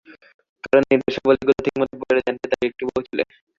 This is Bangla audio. কারণ নির্দেশাবলীগুলো ঠিকমতো পড়লে, জানতে তার একটা বউ ছিল।